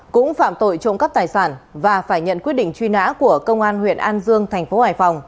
cũng phạm tội trộm cắp tài sản và phải nhận quyết định truy nã của công an huyện an dương tp hcm